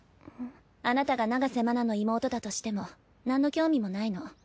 あなたが長瀬麻奈の妹だとしてもなんの興味もないの。